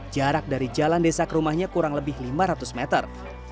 jarak dari jalan desa ke rumahnya kurang lebih lima ratus meter